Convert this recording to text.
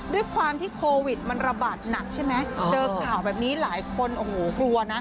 ด้วยความที่โควิดมันระบาดหนักใช่ไหมเจอข่าวแบบนี้หลายคนโอ้โหกลัวนะ